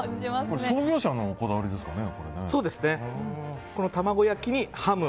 創業者のこだわりですかね？